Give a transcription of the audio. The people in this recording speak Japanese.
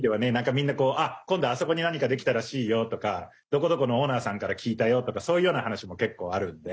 みんな、今度、あそこになんかできたらしいよとかどこどこのオーナーさんから聞いたよとかそういうような話も結構あるんで。